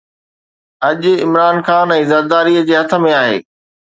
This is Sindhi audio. اڄ عمران خان ۽ زرداري جي هٿ ۾ آهي.